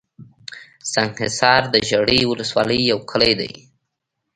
سنګحصار دژړۍ ولسوالۍ يٶ کلى دئ